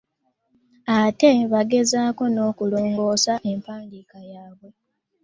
Ate bagezaako n'okulongoosa empandiika yaabwe